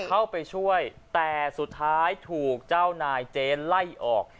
เข้าไปช่วยแต่สุดท้ายถูกเจ้านายเจ๊ไล่ออก